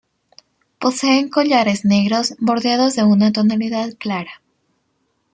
Poseen collares negros bordeados de una tonalidad clara.